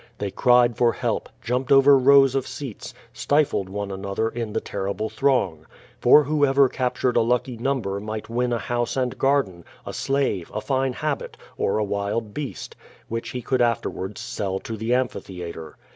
They cried for help, jumped over rows of seats, stifled one another in the terrible throng. For whoever cap tured a lucky number might win a house and garden, a slave, a fine habit, or a wild beast, which he could afterwards sell to the amphitheatre.